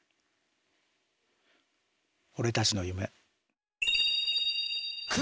俺たちの夢。